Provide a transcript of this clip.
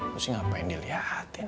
lu sih ngapain dia liatin